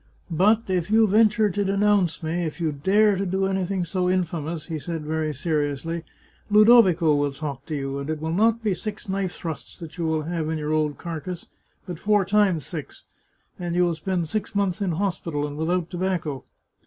But, if you venture to denounce me, if you dare to do anything so infamous,'* 228 The Chartreuse of Parma he said very seriously, " Ludovico will talk to you, and it will not be six knife thrusts that you will have in your old carcass, but four times six, and you will spend six months in hospital, and without tobacco."